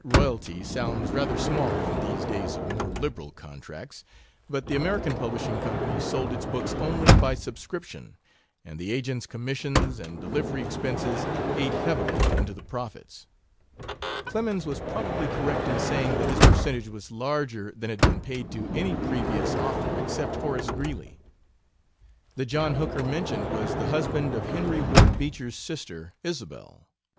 royalty sounds rather small in these days of more liberal contracts. But the American Publishing Company sold its books only by subscription, and the agents' commissions and delivery expenses ate heavily into the profits. Clemens was probably correct in saying that his percentage was larger than had been paid to any previous author except Horace Greeley. The John Hooker mentioned was the husband of Henry Ward Beecher's sister, Isabel.